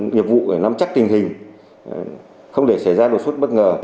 nhiệm vụ để làm chắc tình hình không để xảy ra đột xuất bất ngờ